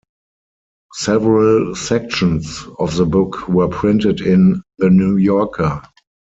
Several sections of the book were printed in "The New Yorker".